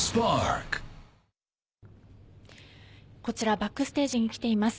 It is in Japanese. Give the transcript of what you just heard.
バックステージに来ています。